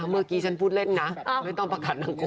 เมื่อกี้ฉันพูดเล่นนะไม่ต้องประกาศนางโก